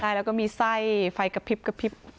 ใช่แล้วก็มีไส้ไฟกระพริบกระพริบ